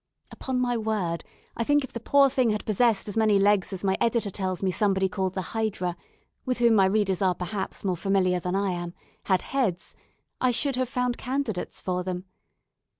Upon my word, I think if the poor thing had possessed as many legs as my editor tells me somebody called the Hydra (with whom my readers are perhaps more familiar than I am) had heads, I should have found candidates for them.